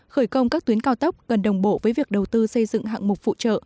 khởi công các tuyến cao tốc gần đồng bộ với việc đầu tư xây dựng hạng mục phụ trợ